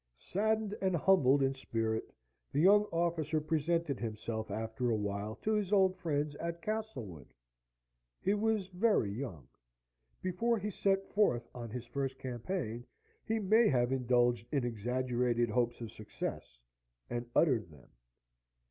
Saddened and humbled in spirit, the young officer presented himself after a while to his old friends at Castlewood. He was very young: before he set forth on his first campaign he may have indulged in exaggerated hopes of success, and uttered them.